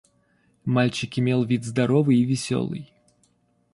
Мальчик имел вид здоровый и веселый.